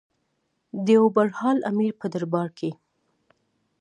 د یو برحال امیر په دربار کې.